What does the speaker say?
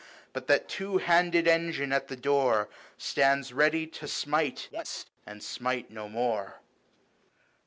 But that two handed engine at the door 130 Stands ready to smite once, and smite no more."